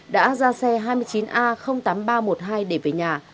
đã ra xe hai mươi chín a tám nghìn ba trăm một mươi hai để về nhà